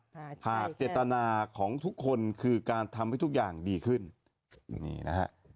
หากเจตนาของทุกคนคือการทำให้ทุกอย่างดีขึ้น